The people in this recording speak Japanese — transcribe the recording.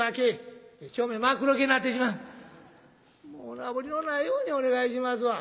おなぶりのないようにお願いしますわ」。